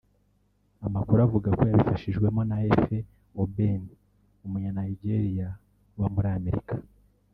amakuru avuga ko yabifashijwemo na Efe Ogbeni umunya Nigeria uba muri Amerika